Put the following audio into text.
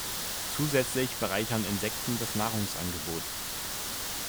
Zusätzlich bereichern Insekten das Nahrungsangebot.